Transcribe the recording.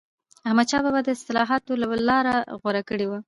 احمدشاه بابا د اصلاحاتو لاره غوره کړې وه.